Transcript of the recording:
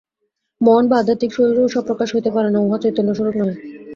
মন বা আধ্যাত্মিক শরীরও স্বপ্রকাশ হইতে পারে না, উহা চৈতন্যস্বরূপ নহে।